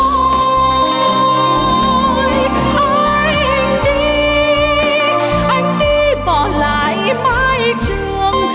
anh đi anh đi bỏ lại mái trường